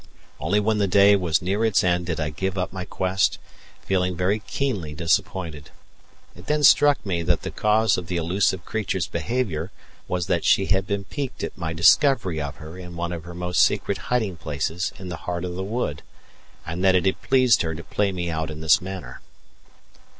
Only when the day was near its end did I give up my quest, feeling very keenly disappointed. It then struck me that the cause of the elusive creature's behaviour was that she had been piqued at my discovery of her in one of her most secret hiding places in the heart of the wood, and that it had pleased her to pay me out in this manner.